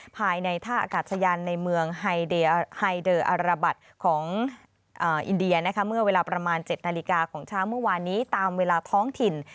ภายในท่าอากาศยานในเมืองไฮเดอร์อารบัตรของอินเดียนะคะเมื่อเวลาประมาณ๗นาฬิกาของเช้าเมื่อวานนี้ตามเวลาท้องถิ่น